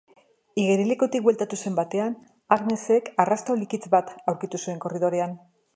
Igerilekutik bueltatu zen batean, Agnesek arrasto likits bat aurkitu zuen korridorean.